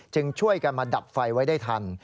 ช่วยกันมาดับไฟไว้ได้ทัน